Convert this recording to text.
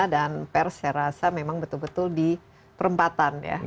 pers saya rasa memang betul betul di perempatan ya